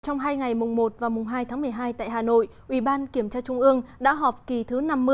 trong hai ngày mùng một và mùng hai tháng một mươi hai tại hà nội ủy ban kiểm tra trung ương đã họp kỳ thứ năm mươi